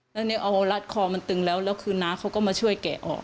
แล้วเนี่ยเอารัดคอมันตึงแล้วแล้วคือน้าเขาก็มาช่วยแกะออก